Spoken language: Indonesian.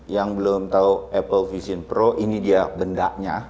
yang belum tahu apple vision pro ini dia bendanya